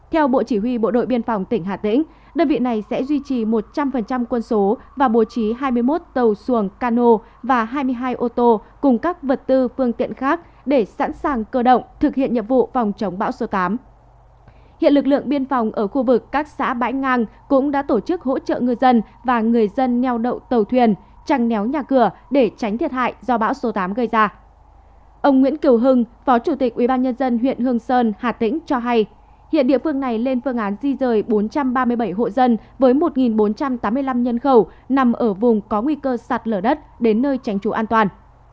hiện địa phương này lên phương án di rời bốn trăm ba mươi bảy hộ dân với một bốn trăm tám mươi năm nhân khẩu nằm ở vùng có nguy cơ sạt lở đất đến nơi tránh trú an toàn